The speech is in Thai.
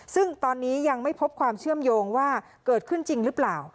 ซึ่งตอนนี้ยังไม่พบความเชื่อมโยงว่าเกิดขึ้นจริงหรือเปล่า